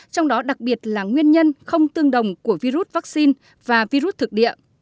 trong đó đặc biệt là nguyên nhân không tương đồng của virus vaccine và virus thực địa